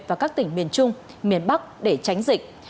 và các tỉnh miền trung miền bắc để tránh dịch